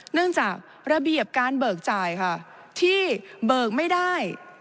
เนื่องจากระเบียบการเบิกจ่ายค่ะที่เบิกไม่ได้